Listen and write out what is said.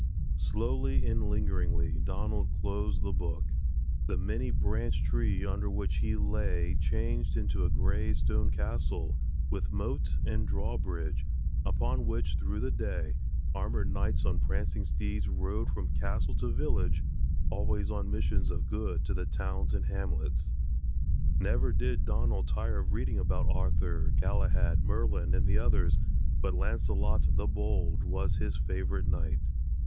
Slowly and lingeringly Donald closed the book. The many branched tree under which he lay changed into a grey stone castle with moat and drawbridge upon which through the day armored knights on prancing steeds rode from castle to village, always on missions of good to the towns and hamlets. Never did Donald tire of reading about Arthur, Galahad, Merlin and the others, but Launcelot, the Bold, was his favorite knight.